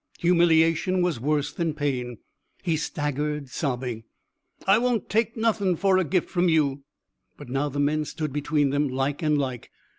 Humiliation was worse than pain. He staggered, sobbing. "I won't take nothing for a gift from you!" But now the men stood between them, like and like.